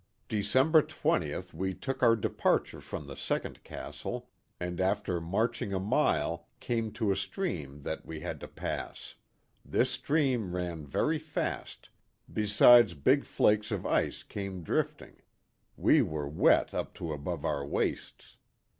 December 20th we took our departure from the second Castle, and after marching a mile — came to a stream that we had to pass. This stream ran very fast, besides big flakes of ice came drifting. We were wet up to above our waists.